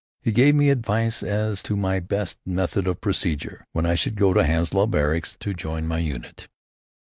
He gave me advice as to my best method of procedure when I should go to Hounslow Barracks to join my unit.